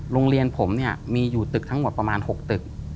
โรงเรียนผมเนี่ยมีอยู่ตึกทั้งหมดประมาณ๖ตึก